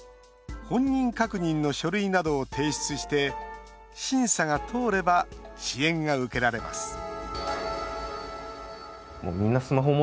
本人確認の書類などを提出して審査が通れば支援が受けられます